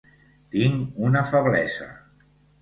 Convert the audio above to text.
Tinc una feblesa.